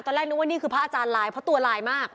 นึกว่านี่คือพระอาจารย์ลายเพราะตัวลายมาก